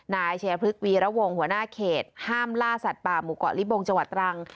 นายเชียร์พลึกวีระวงหัวหน้าเขตห้ามล่าสัตว์ป่ามุกเกาะลิบวงจวัตรรัง